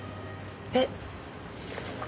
えっ？